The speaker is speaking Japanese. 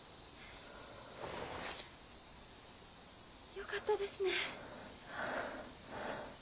よかったですね。